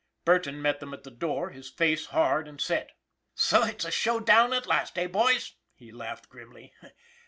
Burton met them at the door, his face hard and set. " So it's a showdown at last, eh, boys? " he laughed grimly.